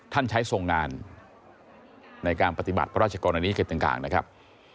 ท่านใช้ทรงงานในการปฏิบัติพระราชกรณียกิจต่างนะครับ